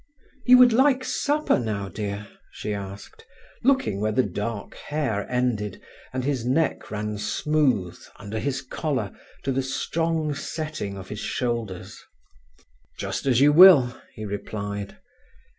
"You would like supper now, dear?" she asked, looking where the dark hair ended, and his neck ran smooth, under his collar, to the strong setting of his shoulders. "Just as you will," he replied.